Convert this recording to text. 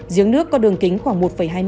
giếng nước có đường kính khoảng một hai m